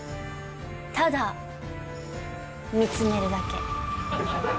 ただ、見つめるだけ。